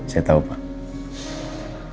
saya tahu pak